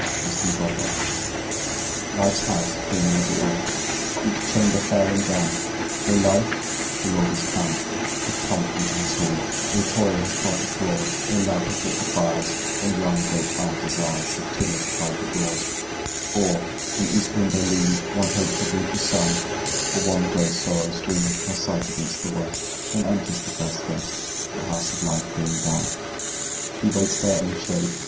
Eastern Proverb Life's House being ready all, Each chamber fair and dumb, Ere life, the Lord, is come With pomp into his hall, Ere Toil has trod the floors, Ere Love has lit the fires, Or young great eyed Desires Have, timid, tried the doors; Or from east window leaned One Hope, to greet the sun, Or one gray Sorrow screened Her sight against the west, Then enters the first guest, The House of life being done. He waits there in the shade.